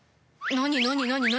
何何？